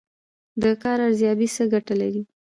د کار ارزیابي څه ګټه لري؟